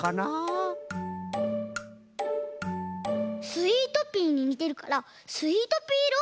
スイートピーににてるからスイートピーいろ？